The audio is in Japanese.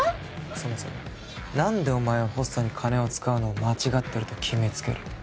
そもそも何でお前はホストに金を使うのを間違ってると決めつける。